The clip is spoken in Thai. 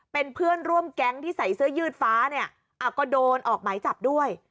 เป็นเพื่อนร่วมแก๊งที่ใส่เสื้อยืดฟ้าเนี่ยก็โดนออกหมายจับด้วย